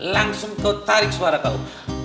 langsung kau tarik suara kau